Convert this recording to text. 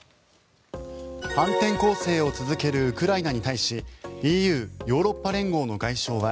反転攻勢を続けるウクライナに対しＥＵ・ヨーロッパ連合の外相は